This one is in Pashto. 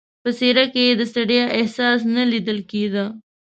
په څېره کې یې د ستړیا احساس نه لیدل کېده.